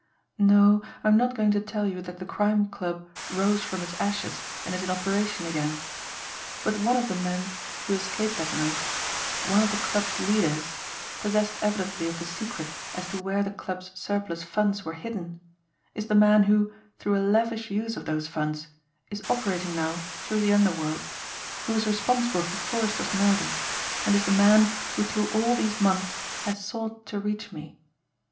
No, I am not going to tell you that the Crime Club rose from its ashes and is in operation again; but one of the men who escaped that night, one of the Club's leaders, possessed evidently of the secret as to where the Club's surplus funds were hidden, is the man who, through a lavish use of those funds, is operating now through the underworld, who is responsible for Forrester's murder, and is the man who through all these months has sought to reach me.